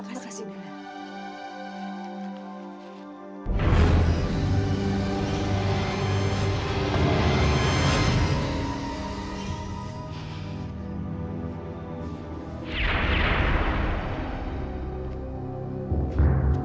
terima kasih nenek